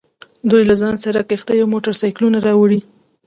دوی له ځان سره کښتۍ او موټر سایکلونه راوړي